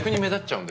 うん。